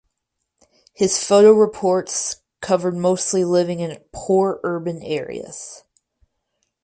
His photo reports covered mostly living in poor urban areas.